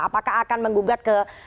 apakah akan menggugat ke